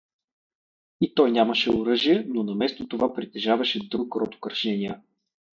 И той нямаше оръжие, но наместо това притежаваше друг род украшения.